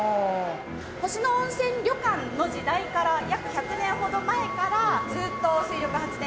星野温泉旅館の時代から約１００年ほど前からずっと水力発電機を使っております。